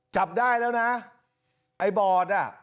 จับได้แล้วนะไอ้บอดอ่ะ